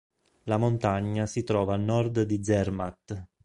La montagna si trova a nord di Zermatt.